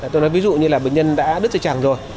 tôi nói ví dụ như là bệnh nhân đã đứt dây chẳng rồi